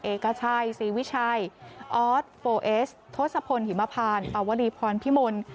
เอกชัยศรีวิชัยออสโฟเอสทศพลหิมพานปวรีพรพิมล